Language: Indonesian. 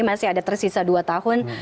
masih ada tersisa dua tahun